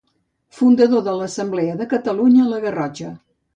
Fundador de l'Assemblea de Catalunya a la Garrotxa.